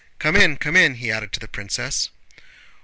"Come in, come in!" he added to the princess.